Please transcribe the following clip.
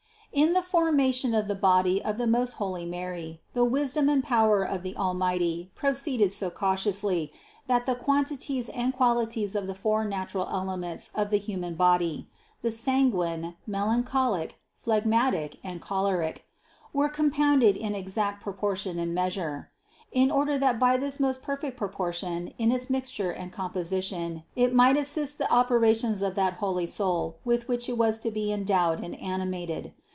215. In the formation of the body of the most holy Mary the wisdom and power of the Almighty proceeded so cautiously that the quantities and qualities of the four natural elements of the human body, the sanguine, mel ancholic, phlegmatic and choleric, were compounded in THE CONCEPTION 177 exact proportion and measure ; in order that by this most perfect proportion in its mixture and composition it might assist the operations of that holy Soul with which it was to be endowed and animated.